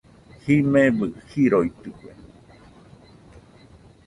Jimebɨ jiroitɨkue